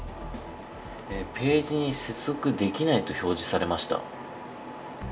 ページに接続できないと表示されました。